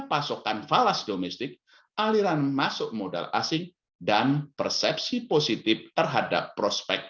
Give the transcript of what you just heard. pasokan falas domestik aliran masuk modal asing dan persepsi positif terhadap prospek